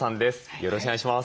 よろしくお願いします。